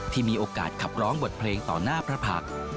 ที่มีโอกาสขับร้องบทเพลงต่อหน้าพระผัก